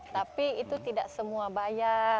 tapi itu tidak semua bayar